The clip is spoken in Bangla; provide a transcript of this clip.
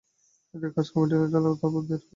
এদের কাজকর্ম ঢিলেঢালা ধরনের, তবে এদের লজিক খুব উন্নত।